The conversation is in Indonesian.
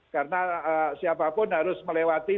karena siapapun harus melewati